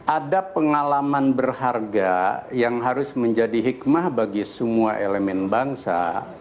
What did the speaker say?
ada pengalaman berharga yang harus menjadi hikmah bagi semua elemen bangsa